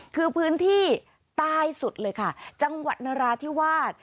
คือพื้นที่ใต้สุดเลยค่ะจังหวัดนราธิวาส